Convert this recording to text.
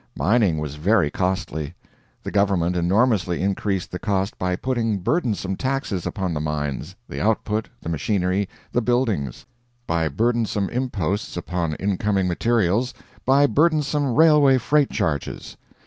Mining was very costly; the government enormously increased the cost by putting burdensome taxes upon the mines, the output, the machinery, the buildings; by burdensome imposts upon incoming materials; by burdensome railway freight charges.